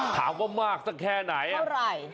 ถามว่ามากสักแค่ไหน